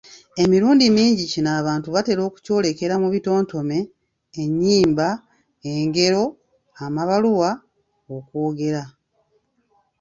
Emirundi mingi kino abantu batera okukyolekera mu bitontome, ennyimba, engero amabaluwa, okwogera.